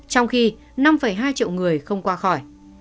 trong khi năm hai triệu người không qua khỏi